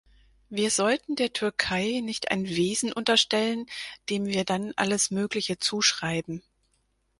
Wir sollten der Türkei nicht ein Wesen unterstellen, dem wir dann alles Mögliche zuschreiben.